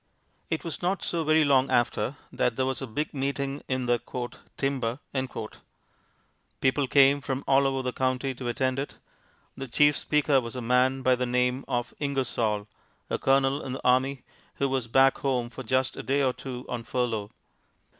It was not so very long after, that there was a Big Meeting in the "timber." People came from all over the county to attend it. The chief speaker was a man by the name of Ingersoll, a colonel in the army, who was back home for just a day or two on furlough.